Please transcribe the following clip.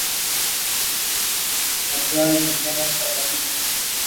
Nació en el seno de una familia humilde.